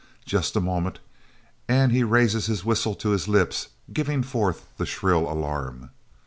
Just a moment, and he raises his whistle to his lips, giving forth the shrill alarm.